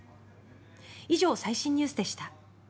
以上、最新ニュースでした。